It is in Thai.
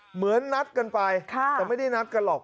เหมือนนัดกันไปแต่ไม่ได้นัดกันหรอก